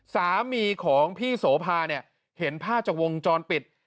สามีของพี่โสภาเนี่ยเห็นภาพจากวงจรปิด